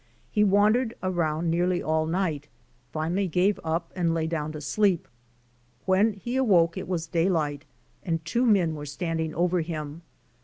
He wandered around nearly all night, finally gave up and lay down to sleep. When he awoke it was daylight and two men were standing over him.